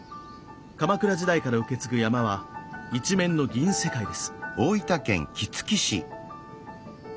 鎌倉時代から受け継ぐ山は一面の銀世界です。